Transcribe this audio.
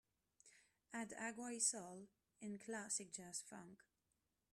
add agua y sal in Classic Jazz Funk